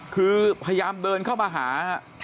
คือพยายามเดินเข้ามาหา